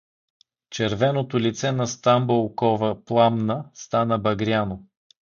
Червеното лице на Стамболкова пламна, стана багряно.